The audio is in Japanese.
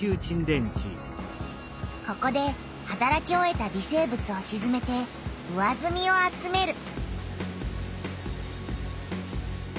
ここではたらき終えた微生物をしずめて上ずみを集める。